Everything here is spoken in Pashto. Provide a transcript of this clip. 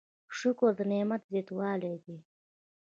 شکر د نعمت زیاتوالی دی؟